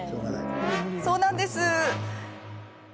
そうなんです。